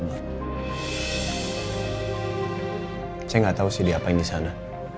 saya nggak tahu sih diapain di sana